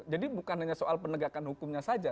jadi bukan hanya soal penegakan hukumnya saja